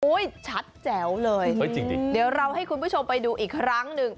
ชัดแจ๋วเลยจริงเดี๋ยวเราให้คุณผู้ชมไปดูอีกครั้งหนึ่ง